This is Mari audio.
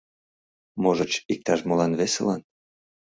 Можыч, иктаж-молан весылан?